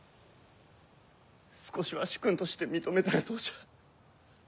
少しは主君として認めたらどうじゃ。